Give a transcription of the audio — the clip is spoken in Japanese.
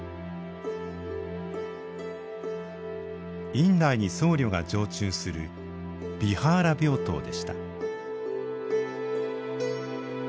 院内に僧侶が常駐するビハーラ病棟でした。